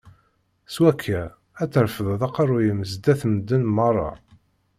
S wakka, ad trefdeḍ aqerru-m zdat n medden meṛṛa.